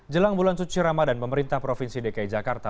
jelang bulan suci ramadan pemerintah provinsi dki jakarta